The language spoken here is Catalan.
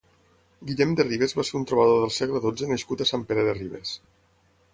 Guillem de Ribes va ser un trobador del segle dotze nascut a Sant Pere de Ribes.